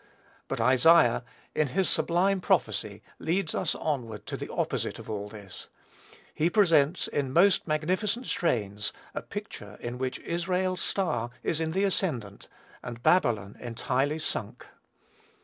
But Isaiah, in his sublime prophecy, leads us onward to the opposite of all this. He presents, in most magnificent strains, a picture, in which Israel's star is in the ascendant, and Babylon entirely sunk.